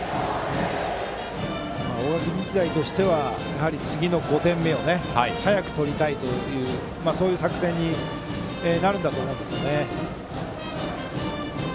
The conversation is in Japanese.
大垣日大としては次の５点目を早く取りたいという作戦になるんだと思います。